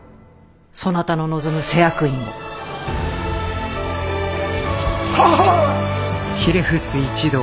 そなたの望む施薬院を。ははぁ！